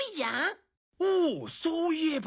おーそういえば。